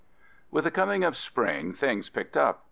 With the coming of spring, things picked up.